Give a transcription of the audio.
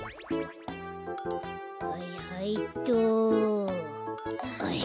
はいはいっと。